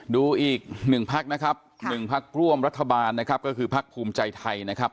ดูอีก๑ภักดิ์นะครับ๑ภักดิ์ร่วมรัฐบาลก็คือภักดิ์ภูมิใจไทยนะครับ